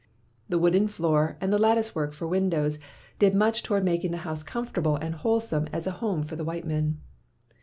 The wooden floor and the lattice work for windows did much toward making the house comfortable and wholesome as a home for the white men.